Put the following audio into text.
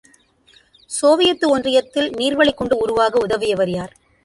Soviet ஒன்றியத்தில் நீர்வளிக் குண்டு உருவாக உதவியவர் யார்?